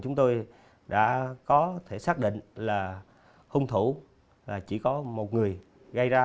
chúng tôi đã có thể xác định là hung thủ chỉ có một người gây ra